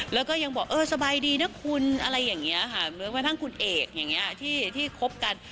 แล้วก็ยังบอกเออสบายดีนะคุณอะไรอย่างนี้ค่ะแม้กระทั่งคุณเอกอย่างนี้ที่คบกัน